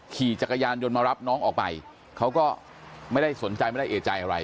ขี่จักรยานยนต์มารับน้องออกไปเขาก็ไม่ได้สนใจไม่ได้เอกใจอะไร